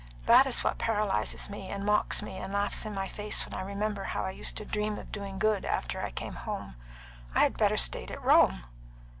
That is what paralyses me and mocks me and laughs in my face when I remember how I used to dream of doing good after I came home. I had better stayed at Rome."